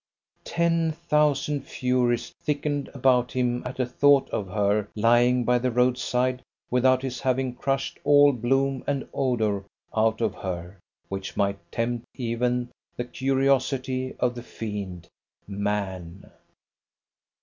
Ten thousand Furies thickened about him at a thought of her lying by the road side without his having crushed all bloom and odour out of her which might tempt even the curiosity of the fiend, man.